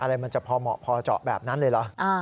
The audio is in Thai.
อะไรมันจะพอเหมาะพอเจาะแบบนั้นเลยเหรอ